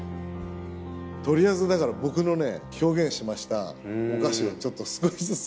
取りあえずだから僕のね表現しましたお菓子をちょっと少しずつ。